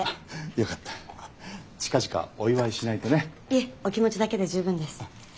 いえお気持ちだけで十分です。